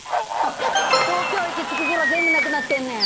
東京駅着く頃全部なくなってんねん。